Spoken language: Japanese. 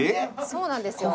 そうなんですよ。